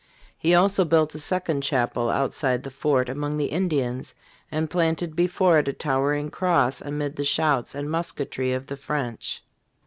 He also built a second chapel outside the fort among the Indians, and "planted before it a towering cross amid the shouts and musketry of the French."